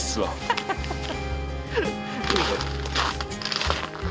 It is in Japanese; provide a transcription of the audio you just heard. ハハハハ！